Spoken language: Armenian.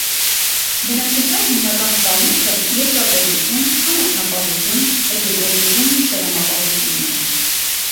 Բնակչության հիմնական զբաղմունքը երկրագործություն, անասնապահություն, այգեգործությունն ու շերամապահությունն էր։